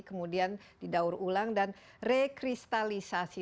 kemudian didaur ulang dan rekristalisasi